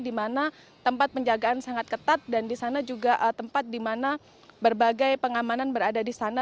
di mana tempat penjagaan sangat ketat dan di sana juga tempat di mana berbagai pengamanan berada di sana